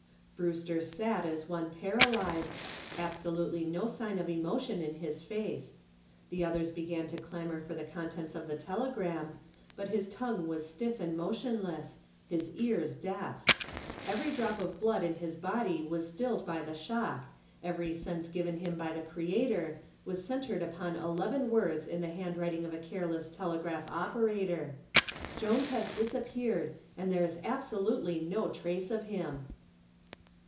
Brewster sat as one paralyzed, absolutely no sign of emotion in his face. The others began to clamor for the contents of the telegram, but his tongue was stiff and motionless, his ears deaf. Every drop of blood in his body was stilled by the shock, every sense given him by the Creator was centered upon eleven words in the handwriting of a careless telegraph operator "Jones has disappeared and there is absolutely no trace of him."